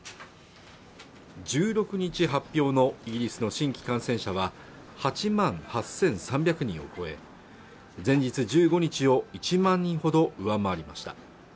１６日発表のイギリスの新規感染者は８万８３００人を超え前日１５日を１万人ほど上回りました